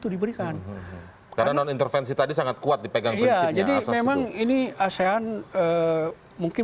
itu diberikan karena non intervensi tadi sangat kuat dipegang prinsipnya memang ini asean mungkin